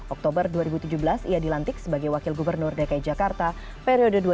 oktober dua ribu tujuh belas ia dilantik sebagai wakil gubernur dki jakarta periode dua ribu dua puluh